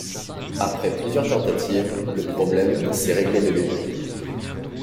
Après plusieurs tentatives, le problème s'est réglé de lui-même.